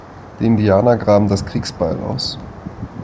Die Indianer graben das Kriegsbeil aus.